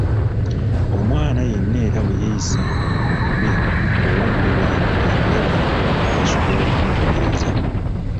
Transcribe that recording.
Omwana yenna era bwe yayisanga obubi ng’ow’omuliraano amulabye ng’asobola okumubonereza.